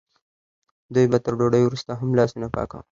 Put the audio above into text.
دوی به تر ډوډۍ وروسته هم لاسونه پاکول.